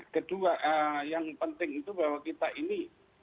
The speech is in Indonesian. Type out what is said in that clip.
kedua yang penting itu bahwa kita ini